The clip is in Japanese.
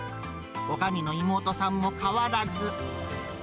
おかみの妹さんも変わらず。